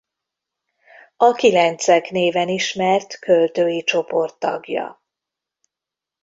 A Kilencek néven ismert költői csoport tagja.